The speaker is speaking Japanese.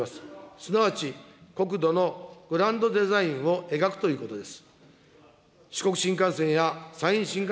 すなわち国土のグランドデザインを描くということです。